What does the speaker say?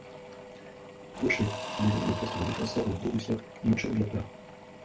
Gaucher, il évolue au poste de défenseur au Borussia Mönchengladbach.